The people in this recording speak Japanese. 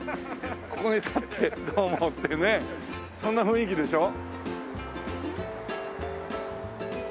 ここに立ってどうもっていうねそんな雰囲気でしょ？